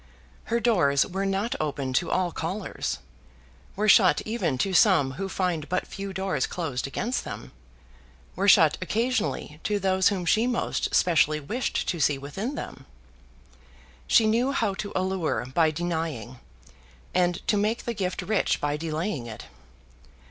Her doors were not open to all callers; were shut even to some who find but few doors closed against them; were shut occasionally to those whom she most specially wished to see within them. She knew how to allure by denying, and to make the gift rich by delaying it.